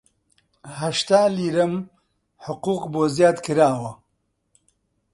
هەشتا لیرەم حقووق بۆ زیاد کراوە